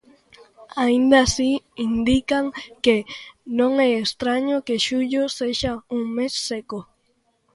Aínda así, indican que "non é estraño que xullo sexa un mes seco".